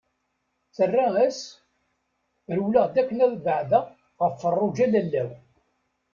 Terra-as: Rewleɣ-d akken ad beɛdeɣ ɣef Feṛṛuǧa, lalla-w.